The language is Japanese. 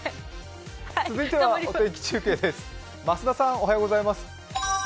続いてはお天気中継です増田さん。